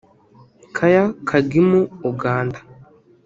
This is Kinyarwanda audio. Kaaya Kagimu (Uganda)